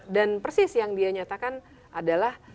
persis yang dia nyatakan adalah